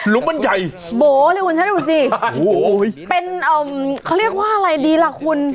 หลุมมันใหญ่โบ๊ะเรียกว่าฉันดูสิโอ้โหเป็นเอ่อเขาเรียกว่าอะไรดีล่ะคุณ